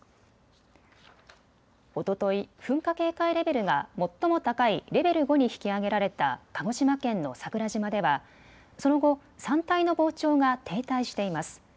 おととい噴火警戒レベルが最も高いレベル５に引き上げられた鹿児島県の桜島ではその後、山体の膨張が停滞しています。